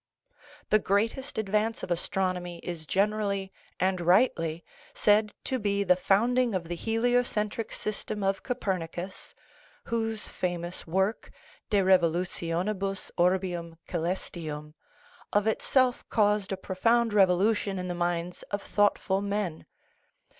The greatest ad vance of astronomy is generally, and rightly, said to be the founding of the heliocentric system of Copernicus, whose famous work, De Revolutionibus Orbium Celes tium, of itself caused a profound revolution in the minds of thoughtful men.